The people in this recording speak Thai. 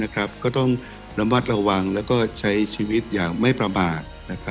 ก็ต้องระมัดระวังแล้วก็ใช้ชีวิตอย่างไม่ประมาท